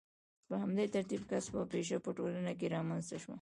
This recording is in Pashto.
په همدې ترتیب کسب او پیشه په ټولنه کې رامنځته شوه.